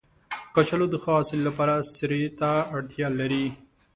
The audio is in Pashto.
کچالو د ښه حاصل لپاره سرې ته اړتیا لري